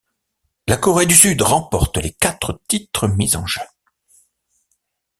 La Corée du Sud remporte les quatre titres mis en jeu.